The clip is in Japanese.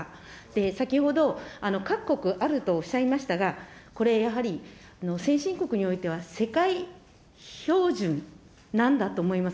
先ほど、各国あるとおっしゃいましたが、これやはり、先進国においては世界標準なんだと思います。